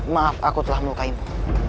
maaf aku telah melukaimu